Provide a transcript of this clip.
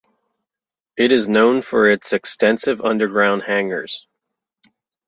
It is known for its extensive underground hangars.